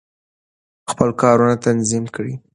خپل کارونه تنظیم کړئ.